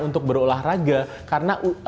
untuk berolahraga karena